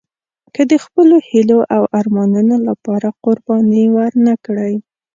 که د خپلو هیلو او ارمانونو لپاره قرباني ورنه کړئ.